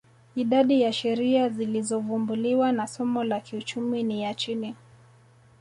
Idadi ya sheria zilizovumbuliwa na somo la kiuchumi ni ya chini